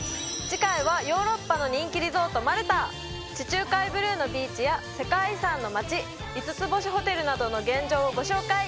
次回はヨーロッパの人気リゾートマルタ地中海ブルーのビーチや世界遺産の街五つ星ホテルなどの現状をご紹介